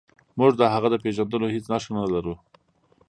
موږ د هغه د پیژندلو هیڅ نښه نلرو.